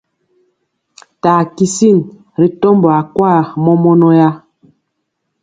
Taa kisin ri tɔmbɔ akwa mɔmɔnɔya.